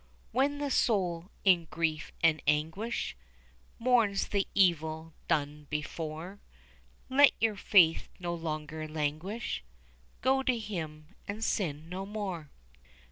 When the soul in grief and anguish Mourns the evil done before, Let your faith no longer languish; Go to Him and sin no more.